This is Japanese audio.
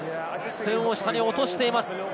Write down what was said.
視線を下に落としています。